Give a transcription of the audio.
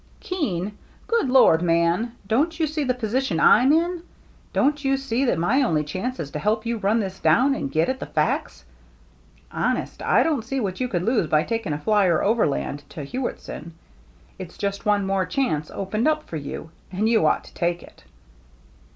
" Keen ! Good Lord, man ! don't you see the position I'm in ? Don't you see that my only chance is to help you run this down and get at the facts ? Honest, I don't see what you could lose by taking a flier over land to Hewittson. It's just one more chance opened up for you, and you ought to take it."